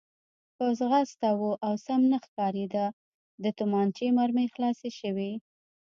په ځغاسته و او سم نه ښکارېده، د تومانچې مرمۍ خلاصې شوې.